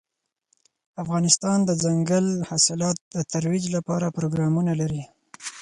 افغانستان د دځنګل حاصلات د ترویج لپاره پروګرامونه لري.